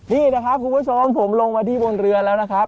นี่นะครับคุณผู้ชมผมลงมาที่บนเรือแล้วนะครับ